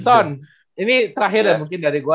ton ini terakhir ya mungkin dari gua